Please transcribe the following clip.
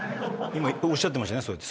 今おっしゃってましたよね？